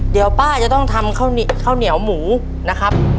เดี๋ยวป้าจะต้องทำข้าวเหนียวหมูนะครับ